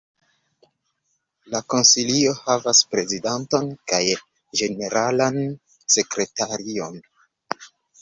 La Konsilio havas prezidanton kaj ĝeneralan sekretarion.